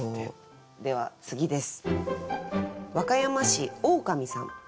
では次です。